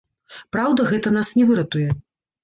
Праўда, гэта нас не выратуе.